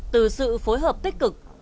từ sự phối hợp tích cực